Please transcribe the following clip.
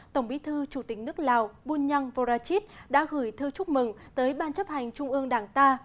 tổng bí thư chủ tịch nước lào bunyang vorachit đã gửi thư chúc mừng tới ban chấp hành trung ương đảng ta